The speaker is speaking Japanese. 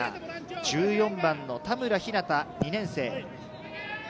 １４番の田村日夏汰、２年生。